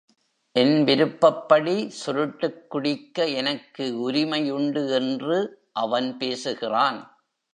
என் விருப்பப்படி சுருட்டுக் குடிக்க எனக்கு உரிமை உண்டு என்று அவன் பேசுகிறான்.